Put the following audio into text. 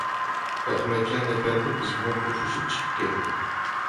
ئەخمەتجان ئەپەندى بىز بىلەن خوشلىشىپ چىقىپ كەتتى.